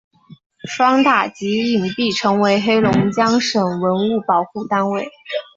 双塔及影壁成为黑龙江省文物保护单位。